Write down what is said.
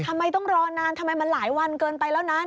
ทำไมต้องรอนานทำไมมันหลายวันเกินไปแล้วนะ